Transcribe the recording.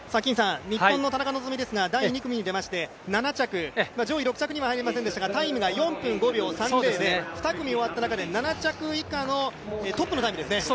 日本の田中希実ですが第２組に出て７着、上位６着には入れませんでしたがタイムが４分５秒３０で２組終わった中で、７着以下のトップのタイムですね。